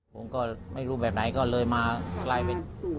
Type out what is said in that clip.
ผมก็ไม่รู้แบบไหนก็เลยมากลายเป็น